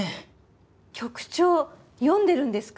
局長読んでるんですか？